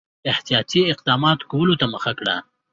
احتیاطي اقداماتو کولو ته مخه کړه.